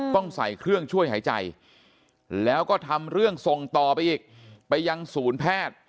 ต้องใส่เครื่องช่วยหายใจแล้วก็ทำเรื่องส่งต่อไปอีกไปยังศูนย์แพทย์